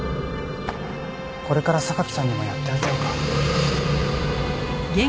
これから榊さんにもやってあげようか？